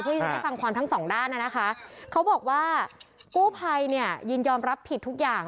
เพื่อจะได้ฟังความทั้งสองด้านน่ะนะคะเขาบอกว่ากู้ภัยเนี่ยยินยอมรับผิดทุกอย่าง